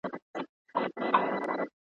په ژبه باندې کنټرول لرل د ايمان برخه ده.